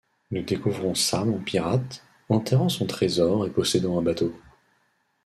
Nous découvrons Sam en pirate, enterrant son trésor et possédant un bateau.